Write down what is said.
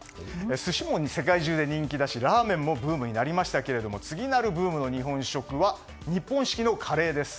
寿司も世界中で人気だしラーメンもブームになりましたが次なるブームの日本食は日本式のカレー。